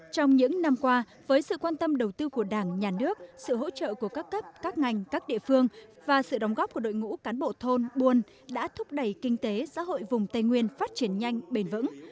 trong những năm qua với sự quan tâm đầu tư của đảng nhà nước sự hỗ trợ của các cấp các ngành các địa phương và sự đóng góp của đội ngũ cán bộ thôn buôn đã thúc đẩy kinh tế xã hội vùng tây nguyên phát triển nhanh bền vững